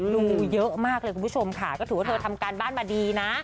ดูเยอะมากเลยคุณผู้ชมค่ะก็ถือว่าเธอทำการบ้านมาดีนะ